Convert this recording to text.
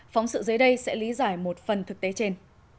phóng sự dưới đây sẽ lý giải một phần thực tế trên